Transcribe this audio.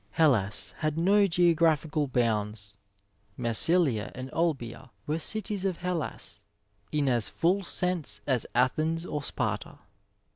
HeUas had no geographical bounds, '^ Massilia and Olbia were cities of Hellas in as full sense as Athens or Sparta."